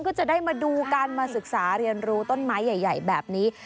ก็จะได้มาดูกันมาศึกษาเรียนรู้ต้นไม้ใหญ่แบบนี้